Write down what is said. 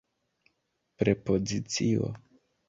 prepozicio